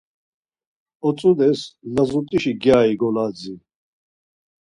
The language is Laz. Otzudes lazut̆işi gyari goladzin.